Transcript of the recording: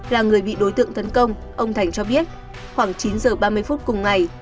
là người bị đối tượng tấn công ông thành cho biết khoảng chín giờ ba mươi phút cùng ngày